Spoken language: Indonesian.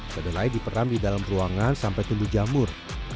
kedelai diperam di dalam ruangan sampai tumbuh jamur